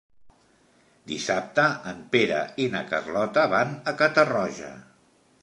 Dissabte en Pere i na Carlota van a Catarroja.